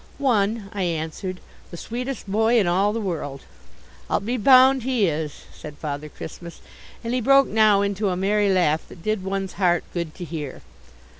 "One," I answered, "the sweetest boy in all the world." "I'll be bound he is!" said Father Christmas and he broke now into a merry laugh that did one's heart good to hear.